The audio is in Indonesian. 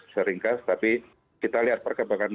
seringkas tapi kita lihat perkembangan